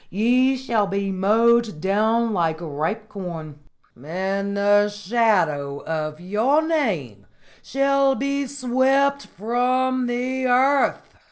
Ye shall be mowed down like ripe corn, and the shadow of your name shall be swept from the earth!